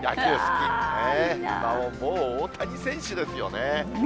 顔、もう大谷選手ですよね。